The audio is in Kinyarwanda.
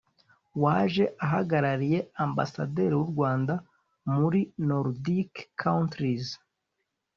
waje ahagarariye Ambassaderi w’u Rwanda muri Nordic countries